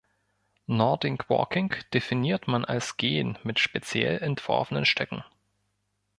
Nordic Walking definiert man als Gehen mit speziell entworfenen Stöcken.